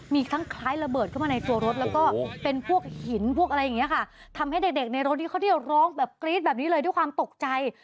มีทั้งคล้ายระเบิดเข้ามาในตัวรถแล้วก็เป็นพวกหินพวกอะไรอย่างนี้ค่ะทำให้เด็กในรถที่เขาเที่ยวร้องแบบกรี๊ดแบบนี้เลยด้วยความตกใจ